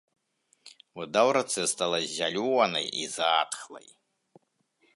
Вада ў рацэ стала зялёнай і затхлай.